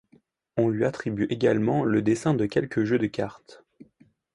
On lui attribue également le dessin de quelques jeux de cartes.